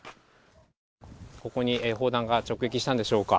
ここに砲弾が直撃したんでしょうか。